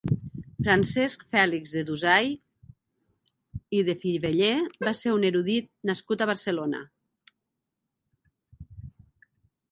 Francesc Fèlix de Dusai i de Fiveller va ser un erudit nascut a Barcelona.